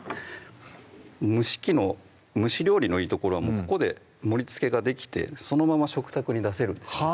蒸し器の蒸し料理のいい所はここで盛りつけができてそのまま食卓に出せるんですよ